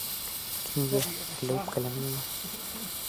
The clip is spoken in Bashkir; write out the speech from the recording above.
Кинйә, әллә үпкәләнеңме?